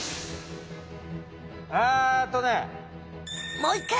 えっとね。